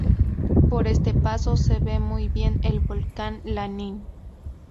Por este paso se ve muy bien el Volcán Lanín.